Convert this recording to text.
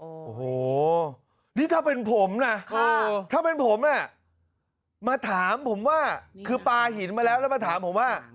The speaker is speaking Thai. โอ้โหนี่ถ้าเป็นผมนะถ้าเป็นผมอ่ะมาถามผมว่าคือปลาหินมาแล้วแล้วมาถามผมว่า